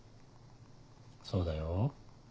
そうだよ。